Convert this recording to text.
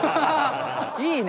いいね。